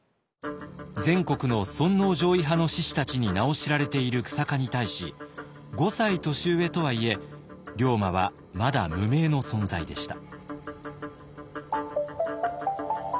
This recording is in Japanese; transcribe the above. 全国の尊皇攘夷派の志士たちに名を知られている久坂に対し５歳年上とはいえ龍馬はまだ無名の存在でした。